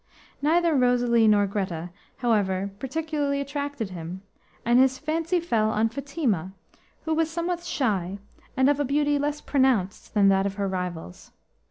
Neither Rosalie nor Greta, however, particularly attracted him, and his fancy fell on Fatima, who was somewhat shy, and of a beauty less pronounced than that of her rivals.